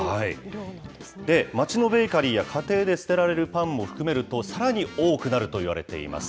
街のベーカリーや、家庭で捨てられるパンも含めると、さらに多くなるといわれています。